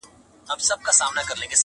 د قصاب له سترګو بلي خواته ګوره،